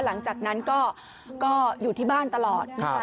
หลังจากนั้นก็อยู่ที่บ้านตลอดนะคะ